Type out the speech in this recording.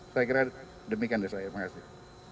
saya kira demikian terima kasih